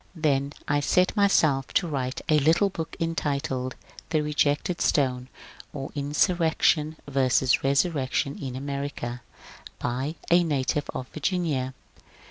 Then I set myself to write the little book entitled ^' The Rejected Stone : or Insurrection vs. Resurrection in America. By a Native of Virginia."